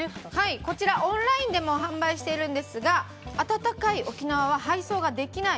こちら、オンラインでも販売しているんですが暖かい沖縄は配送ができない。